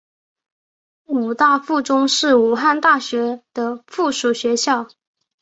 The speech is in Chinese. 武大附中是武汉大学的附属学校。